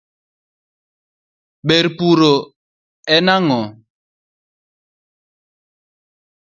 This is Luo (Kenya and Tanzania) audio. ber pur en ang'o?